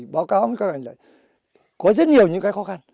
báo cáo những các hành giải có rất nhiều những cái khó khăn